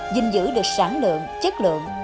dình dữ được sản lượng chất lượng